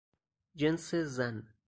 جنس زن